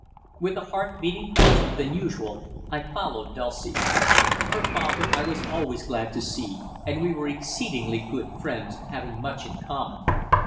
With a heart beating faster than usual I followed Dulcie. Her father I was always glad to see, and we were exceedingly good friends, having much in common.